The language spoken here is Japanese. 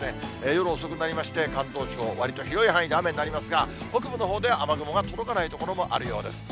夜遅くなりまして、関東地方、わりと広い範囲で雨になりますが、北部のほうでは雨雲が届かない所もあるようです。